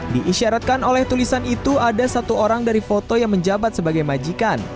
diisyaratkan oleh tulisan itu ada satu orang dari foto yang menjabat sebagai majikan